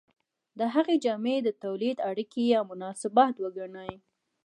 د هغه جامې د تولید اړیکې یا مناسبات وګڼئ.